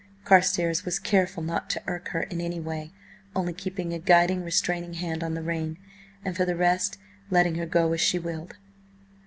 Carstares was careful not to irk her in any way, only keeping a guiding, restraining hand on the rein, and for the rest letting her go as she willed.